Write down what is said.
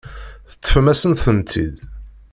Teṭṭfem-asen-tent-id.